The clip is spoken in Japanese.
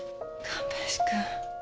神林君。